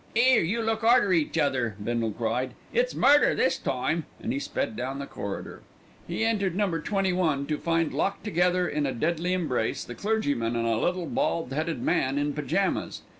"'Ere, you look arter each other," Bindle cried, "it's murder this time." And he sped down the corridor. He entered No. 21 to find locked together in a deadly embrace the clergyman and a little bald headed man in pyjamas.